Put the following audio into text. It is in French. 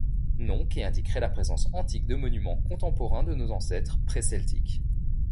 Nom qui indiquerait la présence antique de monuments contemporains de nos ancêtres Pré-Celtiques.